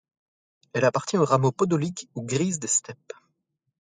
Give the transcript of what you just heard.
Elle appartient au rameau podolique ou grise des steppes.